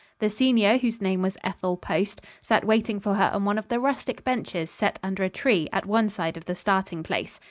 The senior whose name was Ethel Post, sat waiting for her on one of the rustic benches set under a tree at one side of the starting place.